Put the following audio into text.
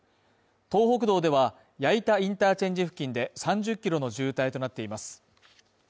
東北道では矢板インターチェンジ付近で３０キロの渋滞となっています。